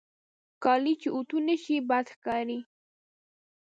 کالي چې اوتو نهشي، بد ښکاري.